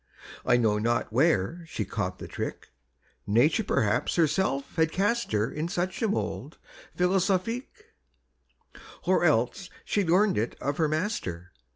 I know not where she caught the trick Nature perhaps herself had cast her In such a mould philosophique, Or else she learn'd it of her master.